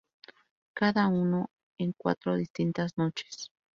Cada uno en cuatro distintas noches.